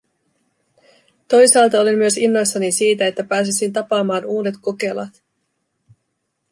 Toisaalta olin myös innoissani siitä, että pääsisin tapaamaan uudet kokelaat.